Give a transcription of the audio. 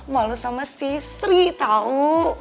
malu sama si sri tahu